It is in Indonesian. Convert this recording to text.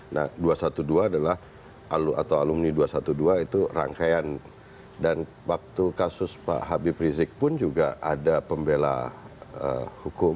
nah dua ratus dua belas adalah atau alumni dua ratus dua belas itu rangkaian dan waktu kasus pak habib rizik pun juga ada pembela hukum